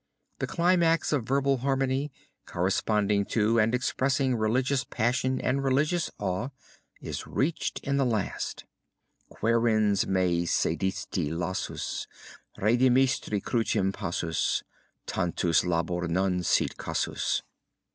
The climax of verbal harmony, corresponding to and expressing religious passion and religious awe, is reached in the last Quaerens me sedisti lassus, Redemisti crucem passus: Tantus labor non sit cassus!